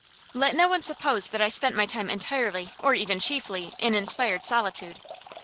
Let no one suppose that I spent my time entirely, or even chiefly, in inspired solitude.